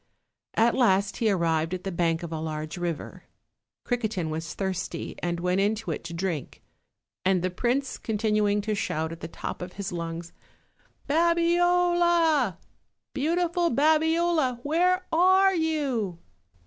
At last he arrived at the bank of a large river. Cri quetin was thirsty, and went into it to drink, and the prince continuing to shout at the top of his lungs: "Babiola! beautiful Babiola, where are you?"